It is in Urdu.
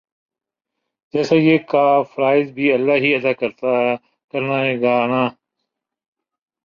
جَیسا یِہ کا فرائض بھی اللہ ہی ادا کرنا گانا